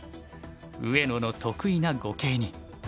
上野の得意な碁形に。